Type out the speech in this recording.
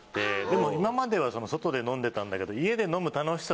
でも今までは外で飲んでたんだけど。